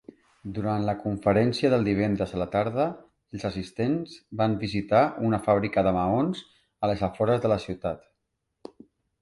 Durant la conferència del divendres a la tarda els assistents van visitar una fàbrica de maons a les afores de la ciutat.